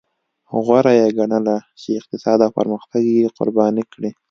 غوره یې ګڼله چې اقتصاد او پرمختګ یې قرباني کړي.